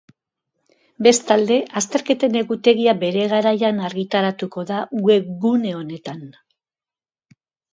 Bestalde, azterketen egutegia bere garaian argitaratuko da webgune honetan.